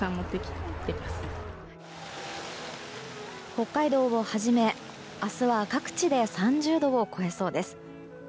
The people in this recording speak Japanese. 北海道をはじめ明日は各地で３０度を超えそうです。